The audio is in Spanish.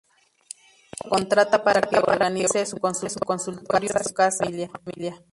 Ella lo contrata para que organice su consultorio, su casa, su familia.